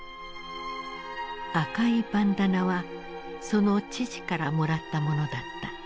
赤いバンダナはその父からもらったものだった。